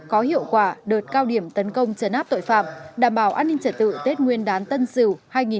có hiệu quả đợt cao điểm tấn công chấn áp tội phạm đảm bảo an ninh trật tự tết nguyên đán tân sửu hai nghìn hai mươi một